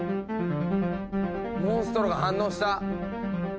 モンストロが反応した！